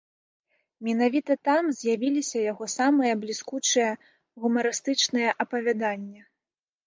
Менавіта там з'явіліся яго самыя бліскучыя гумарыстычныя апавяданні.